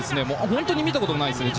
本当に見たことないですね。